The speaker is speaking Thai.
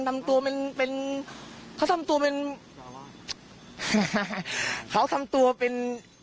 นำตัวเป็นเป็นเขาทำตัวเป็นแบบว่าเขาทำตัวเป็น